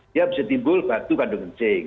dia bisa timbul batu kandung kencing